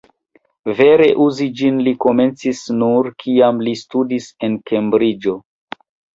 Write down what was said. Vere uzi ĝin li komencis nur, kiam li studis en Kembriĝo.